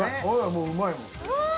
もううまいもんわあ！